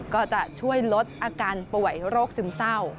ก็จะช่วยลดอาการป่วยโรคซึมเศร้า